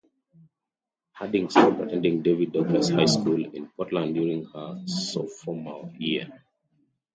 Harding stopped attending David Douglas High School in Portland during her sophomore year.